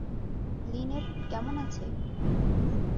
Linate কেমন আছে?